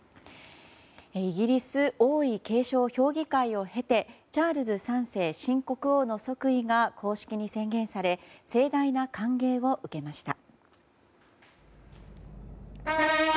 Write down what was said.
イギリス王位継承評議会を経てチャールズ３世新国王の即位が正式に宣言され盛大な歓迎を受けました。